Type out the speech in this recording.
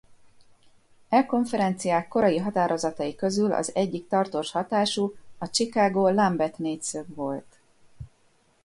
E konferenciák korai határozatai közül az egyik tartós hatású a Chicago-Lambeth-négyszög volt.